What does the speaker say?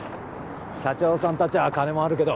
社長さん達は金もあるけど